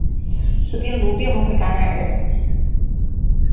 此病毒并不会感染人。